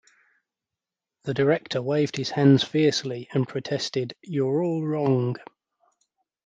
The director waved his hands fiercely and protested You're all wrong!